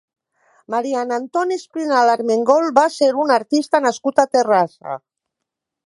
Marian Anton Espinal Armengol va ser un artista nascut a Terrassa.